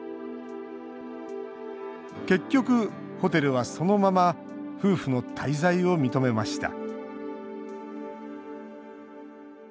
結局ホテルは、そのまま夫婦の滞在を認めました